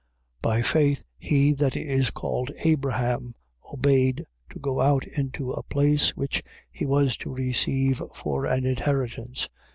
11:8. By faith he that is called Abraham obeyed to go out into a place which he was to receive for an inheritance.